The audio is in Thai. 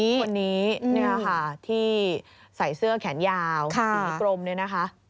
คนนี้เนี่ยค่ะที่ใส่เสื้อแขนยาวสีกลมเนี่ยนะคะ